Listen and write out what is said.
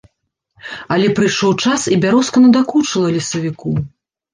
Але прыйшоў час, і бярозка надакучыла лесавіку.